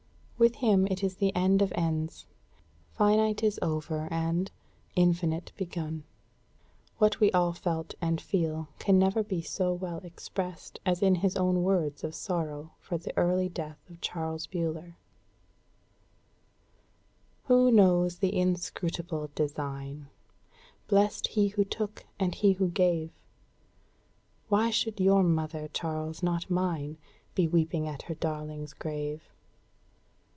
With him it is the end of Ends; finite is over and, infinite begun. What we all felt and feel can never be so well expressed as in his own words of sorrow for the early death of Charles Buller: "Who knows the inscrutable design? Blest He who took and He who gave! Why should your mother, Charles, not mine, Be weeping at her darling's grave?